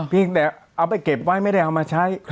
แต่เอาไปเก็บไว้ไม่ได้เอามาใช้